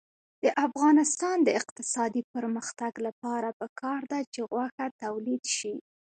د افغانستان د اقتصادي پرمختګ لپاره پکار ده چې غوښه تولید شي.